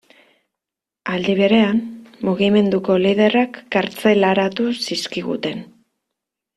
Aldi berean, mugimenduko liderrak kartzelaratu zizkiguten.